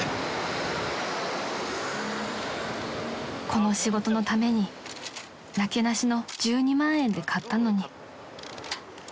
［この仕事のためになけなしの１２万円で買ったのに］